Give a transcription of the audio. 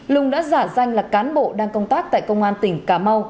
lung đã giả danh là cán bộ đang công tác tại công an tỉnh cà mau